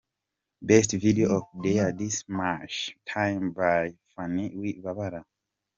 Best Video of the year: This is my time by Phanny Wibabara.